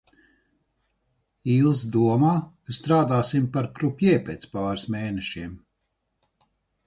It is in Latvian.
Ilze domā, ka strādāsim par krupjē pēc pāris mēnešiem.